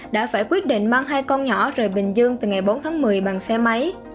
đã phải quyết định mang hai con nhỏ rời bình dương từ ngày bốn tháng một mươi bằng xe máy